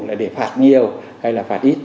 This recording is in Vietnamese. là để phạt nhiều hay là phạt ít